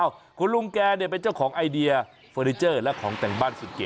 คุณลุงแกเนี่ยเป็นเจ้าของไอเดียเฟอร์นิเจอร์และของแต่งบ้านสุดเก๋